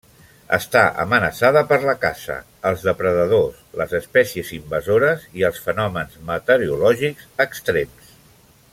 Està amenaçada per la caça, els depredadors, les espècies invasores i els fenòmens meteorològics extrems.